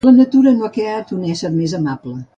La Natura no ha creat un ésser més amable.